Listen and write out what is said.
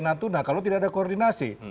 natuna kalau tidak ada koordinasi